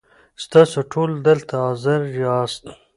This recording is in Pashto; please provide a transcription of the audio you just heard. ستاسو ټول دلته حاضر یاست .